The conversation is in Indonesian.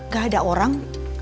gak ada orang